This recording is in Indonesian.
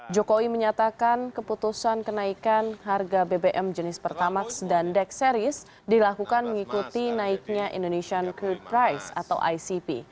jokowi menyatakan keputusan kenaikan harga bbm jenis pertamax dan dex series dilakukan mengikuti naiknya indonesian crude price atau icp